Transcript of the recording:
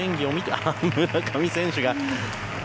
あ、村上選手が。